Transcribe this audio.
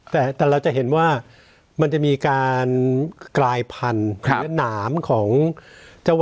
แต่เราจะเห็นว่ามันจะมีการกลายพันธุ์